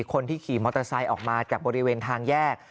คนที่ขี่มอเตอร์ไซค์ออกมาจากบริเวณทางแยก